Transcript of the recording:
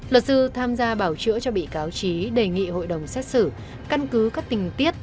luật sư tham gia bảo chữa cho bị cáo trí đề nghị hội đồng xét xử căn cứ các tình tiết